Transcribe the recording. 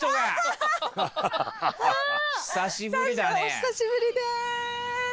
お久しぶりです。